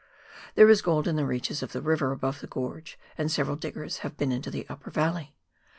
There is gold in the reaches of the river above the gorge, and several diggers have been into the upper valley.